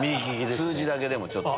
数字だけでもちょっと。